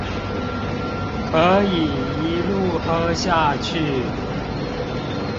可以一路喝下去